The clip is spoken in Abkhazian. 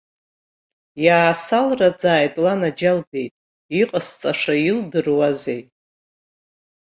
Иаасалраӡааит, ланаџьалбеит, иҟасҵаша илдыруазеи!